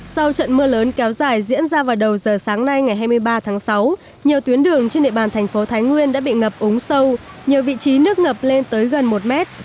sau trận mưa lớn kéo dài diễn ra vào đầu giờ sáng nay ngày hai mươi ba tháng sáu nhiều tuyến đường trên địa bàn thành phố thái nguyên đã bị ngập úng sâu nhiều vị trí nước ngập lên tới gần một mét